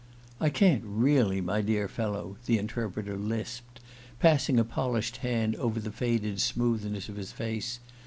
"I can't really, my dear fellow," the Interpreter lisped, passing a polished hand over the faded smoothness of his face.